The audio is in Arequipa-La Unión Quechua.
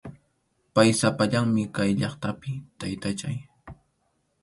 Pay sapallanmi kay llaqtapi, taytachay.